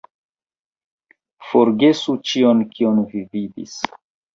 Forgesu ĉion kion vi vidis